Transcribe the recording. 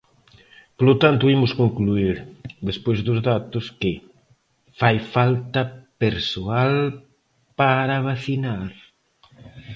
Polo tanto, imos concluír, despois dos datos, que: ¡fai falta persoal para vacinar!